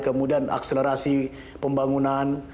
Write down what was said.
kemudian akselerasi pembangunan